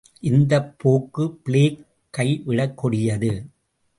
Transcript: இந்தப் போக்கு பிளேக் கை விடக் கொடியது.